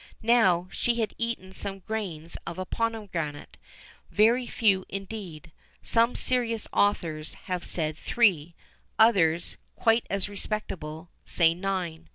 Now, she had eaten some grains of a pomegranate; very few indeed; some serious authors have said three; others, quite as respectable, say nine.